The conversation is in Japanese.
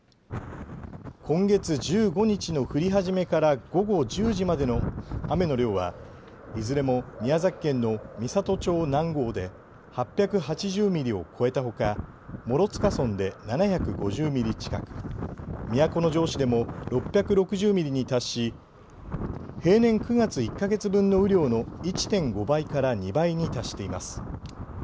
今月１５日の降り始めから午後１０時までの雨の量はいずれも宮崎県の美郷町南郷で８８０ミリを超えたほか諸塚村で７５０ミリ近く、都城市でも６６０ミリに達し平年９月１か月分の雨量の１．５倍から２倍に達しています。